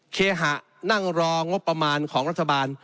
เคหะนั่งรองบประมาณของรัฐบาล